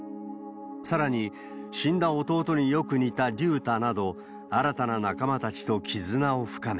さらに、死んだ弟によく似た隆太など、新たな仲間たちと絆を深め、